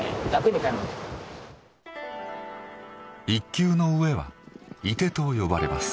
１級の上は射手と呼ばれます。